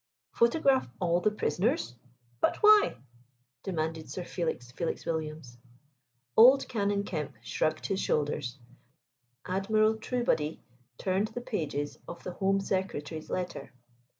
"Photograph all the prisoners? But why?" demanded Sir Felix Felix Williams. Old Canon Kempe shrugged his shoulders; Admiral Trewbody turned the pages of the Home Secretary's letter.